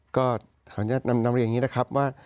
ก็ขออนุญาตนำเรียนอย่างนี้นะครับว่า